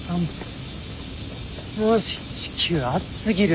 マジ地球暑すぎる。